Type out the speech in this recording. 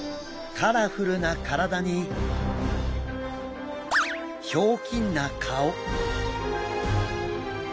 カラフルな体にひょうきんな顔。